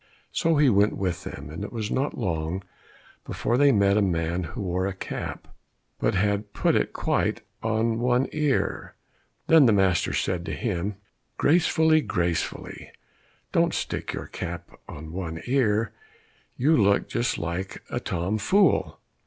So he went with them, and it was not long before they met a man who wore a cap, but had put it quite on one ear. Then the master said to him, "Gracefully, gracefully, don't stick your cap on one ear, you look just like a tom fool!"